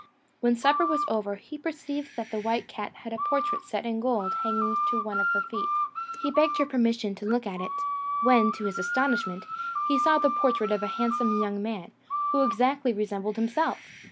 When supper was over, he perceived that the white cat had a portrait set in gold hanging to one of her feet. He begged her permission to look at it; when, to his astonishment, he saw the portrait of a handsome young man, who exactly resembled himself!